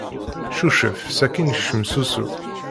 Cucef sakin kcem s usu.